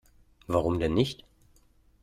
Warum denn nicht?